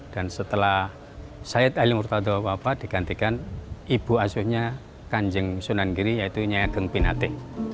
dan setelah syed ali murtado wafat digantikan ibu asuhnya kanjeng sunan giri yaitu nyegeng pinate